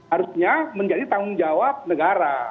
harusnya menjadi tanggung jawab negara